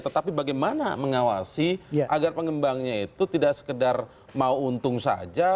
tetapi bagaimana mengawasi agar pengembangnya itu tidak sekedar mau untung saja